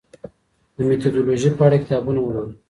د میتودولوژي په اړه کتابونه ولولئ.